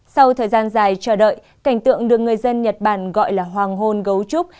sau thời gian dài chờ đợi cảnh tượng được người dân nhật bản gọi là hoàng hôn gấu trúc